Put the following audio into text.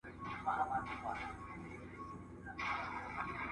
دا ناروغي د اوږدې ناستې سره تړاو لري.